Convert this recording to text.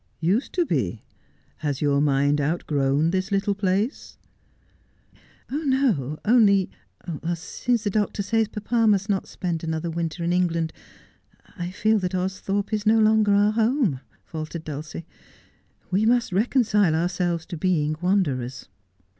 ' Used to be 1 Has your mind outgrown this little place ?'' No — only — since the doctor says papa must not spend an other winter in England, I feel that Austhorpe is no longer our home,' faltered Dulcie. 'We must reconcile ourselves to being wanderers.'